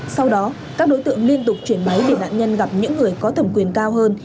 sau đó các đối tượng liên tục chuyển máy để nạn nhân gặp những người có thẩm quyền cao hơn